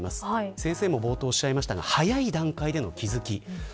先生も冒頭におっしゃいましたが早い段階での気付き。